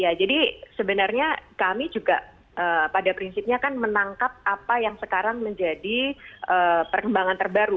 ya jadi sebenarnya kami juga pada prinsipnya kan menangkap apa yang sekarang menjadi perkembangan terbaru